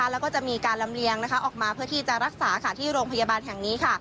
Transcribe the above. แล้วก็จะมีการลำเลียงออกมาเพื่อที่จะรักษาที่โรงพยาบาลแห่งนี้